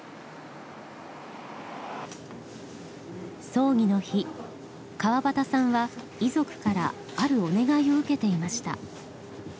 葬儀の日川端さんは遺族からあるお願いを受けていました。